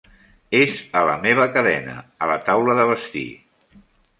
És a la meva cadena, a la taula de vestir.